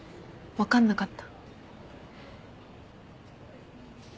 分かんなかった。